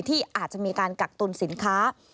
ที่อาจจะมีการกักตุลสินค้า